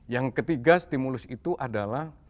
yang ketiga stimulus itu adalah